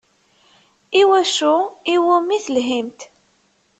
I wacu iwumi telhimt?